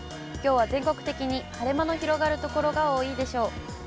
きょうは全国的に晴れ間の広がる所が多いでしょう。